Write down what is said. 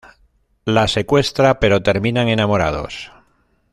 La secuestra pero terminan enamorados.